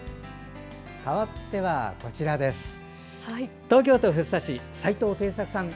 かわって、東京都福生市齋藤貞作さん。